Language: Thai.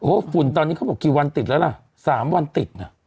ฝุ่นตอนนี้เขาบอกกี่วันติดแล้วล่ะ๓วันติดน่ะ